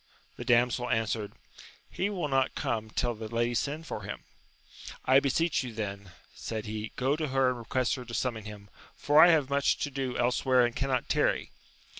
The damsel answered, he will not come till the lady send for him. I beseech you then, said he, go to her and request her to summon him, for I have much to do elsewhere and cannot tarry.